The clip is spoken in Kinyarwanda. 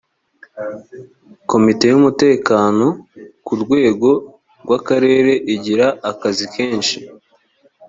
komite y’umutekano ku rwego rw’akarere igira akazi kenshi